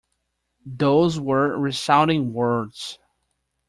Those were resounding words.